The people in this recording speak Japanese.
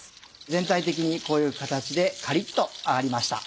全体的にこういう形でカリっと揚がりました。